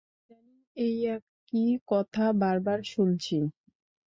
ইদানীং এই একই কথা বার-বার শুনছি।